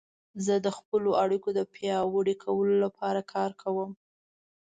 زه د خپلو اړیکو د پیاوړي کولو لپاره کار کوم.